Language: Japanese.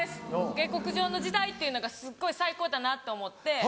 下克上の時代っていうのがすっごい最高だなと思って。